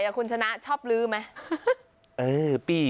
คุณชนะชอบลื้อไหม